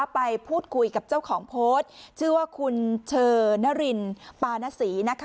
ไปพูดคุยกับเจ้าของโพสต์ชื่อว่าคุณเชอนรินปานศรี